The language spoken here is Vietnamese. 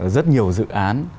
rất nhiều dự án